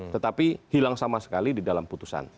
tetapi hilang sama sekali di dalam putusan